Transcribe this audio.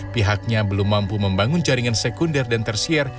pihaknya belum mampu membangun jaringan sekunder dan tersier